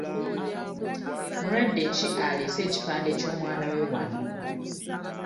Mulwadde ki alese ekipande ky'omwana we wano?